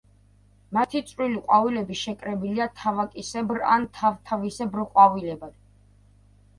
მათი წვრილი ყვავილები შეკრებილია თავაკისებრ ან თავთავისებრ ყვავილედებად.